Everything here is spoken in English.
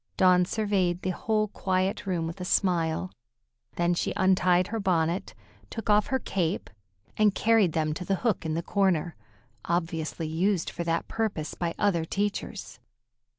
Dawn surveyed the whole quiet room with a smile, then she untied her bonnet, took off her cape, and carried them to the hook in the corner, obviously used for that purpose by other teachers.